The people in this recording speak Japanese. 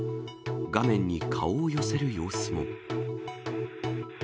画面に顔を寄せる様子も。